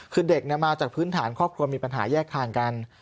คือเด็กมาจากพื้นฐานครอบครัวมีปัญหาแยกทางกัน